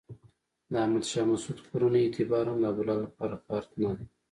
د احمد شاه مسعود کورنۍ اعتبار هم د عبدالله لپاره کارت نه دی.